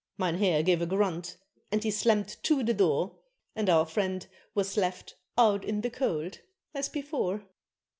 Mynheer gave a grunt, and he slammed to the door, And our friend was "left out in the cold" as before.